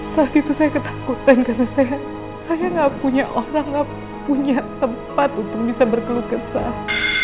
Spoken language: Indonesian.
saat itu saya ketakutan karena saya gak punya orang nggak punya tempat untuk bisa berkeluh kesah